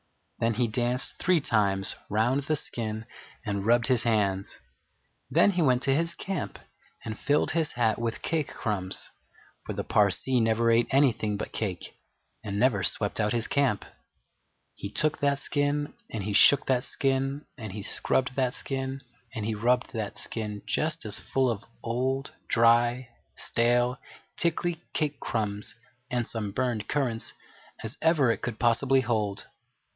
Then he danced three times round the skin and rubbed his hands. Then he went to his camp and filled his hat with cake crumbs, for the Parsee never ate anything but cake, and never swept out his camp. He took that skin, and he shook that skin, and he scrubbed that skin, and he rubbed that skin just as full of old, dry, stale, tickly cake crumbs and some burned currants as ever it could possibly hold.